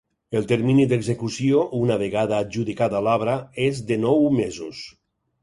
El termini d’execució, una vegada adjudicada l’obra, és de nou mesos.